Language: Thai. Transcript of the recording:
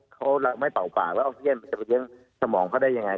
เขาไม่เป่าปากแล้วเอาเขี้ยนมันจะไปเลี้ยงสมองเขาได้ยังไง